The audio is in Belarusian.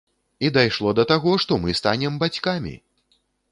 І дайшло да таго, што мы станем бацькамі!